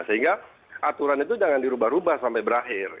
sehingga aturan itu jangan dirubah rubah sampai berakhir